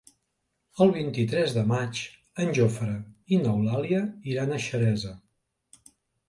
El vint-i-tres de maig en Jofre i n'Eulàlia iran a Xeresa.